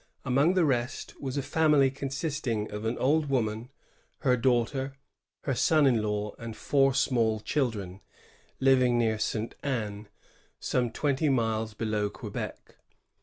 Among the rest was a family consisting of an old woman, her daughter, her son in law, and four small children, living near St. Anne, some twenty miles below Quebec.